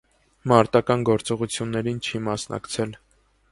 Մարտական գործողություններին չի մասնակցել։